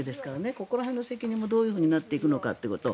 ここら辺の責任もどういうふうになっていくかということ。